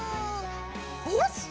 よし！